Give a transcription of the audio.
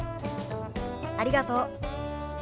ありがとう。